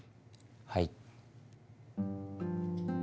はい。